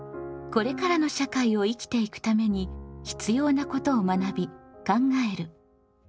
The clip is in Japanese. これからの社会を生きていくために必要なことを学び考える「公共」。